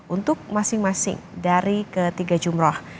untuk masing masing dari ketiga jumroh